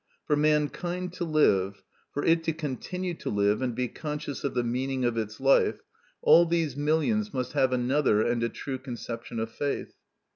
For mankind to live, for it to continue to live and be conscious of the meaning of its life, all these millions must have another and a true conception of faith.